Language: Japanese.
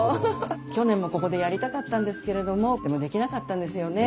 去年もここでやりたかったんですけれどもでもできなかったんですよね